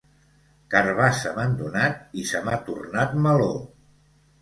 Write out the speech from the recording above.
Carabassa m'han donat i se m'ha tornat meló.